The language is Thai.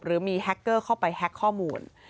หรือมีแฮคเกอร์เข้าไปแฮ็กข้อมูล